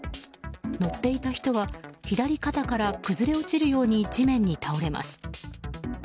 乗っていた人は左肩から崩れ落ちるように地面に倒れます。